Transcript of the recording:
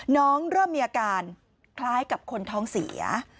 เริ่มมีอาการคล้ายกับคนท้องเสีย